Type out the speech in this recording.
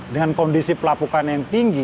dengan kondisi pelapukan yang tinggi